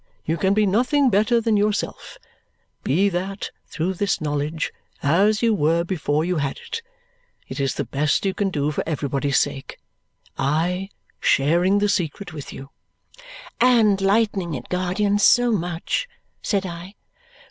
You can be nothing better than yourself; be that, through this knowledge, as you were before you had it. It is the best you can do for everybody's sake. I, sharing the secret with you " "And lightening it, guardian, so much," said I.